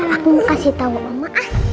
aku mau kasih tau oma